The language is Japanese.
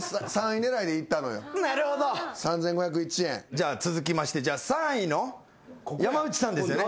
じゃあ続きまして３位の山内さんですね。